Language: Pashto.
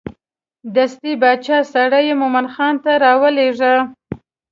دستې باچا سړی مومن خان ته راولېږه.